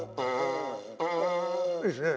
いいですね。